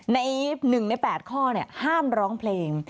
ใน๑ใน๘ข้อห้ามร้องเพลง